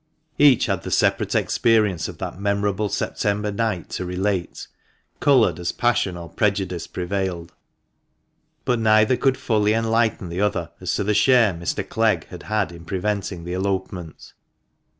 Each had the separate experience of that memorable September night to relate, coloured as passion or prejudice prevailed ; but neither could fully enlighten the other as to the share Mr. Clegg had had in preventing the elopement.